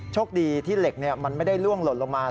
โชคดีที่เหล็กมันไม่ได้ล่วงหล่นลงมา